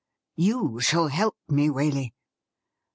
You shall help me, Waley !'